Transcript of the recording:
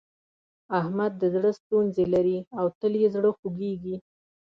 احمد د زړه ستونزې لري او تل يې زړه خوږېږي.